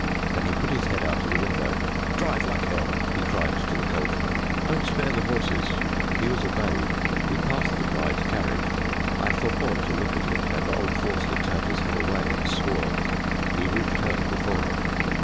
Then he put his head out of the window. "Drive like hell," he cried to the coachman; "don't spare the horses." He was obeyed. We passed the bride's carriage. I forebore to look at it, and old Forster turned his head away and swore. We reached home before it.